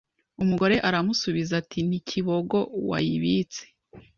Umugore aramusubiza ati Ni Kibogo wayibitse